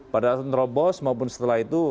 pada saat terobos maupun setelah itu